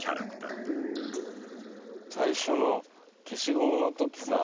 最初の消しゴムのときさ